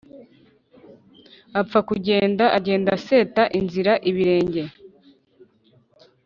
apfa kugenda, agenda aseta inzira ibirenge